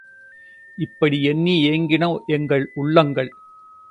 இப்படி எண்ணி ஏங்கின எங்கள் உள்ளங்கள்.